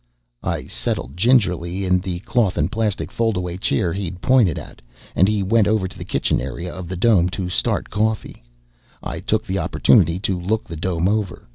I settled gingerly in the cloth and plastic foldaway chair he'd pointed at, and he went over to the kitchen area of the dome to start coffee. I took the opportunity to look the dome over.